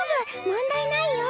問題ないよ。